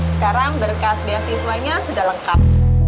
sekarang berkas beasiswanya sudah lengkap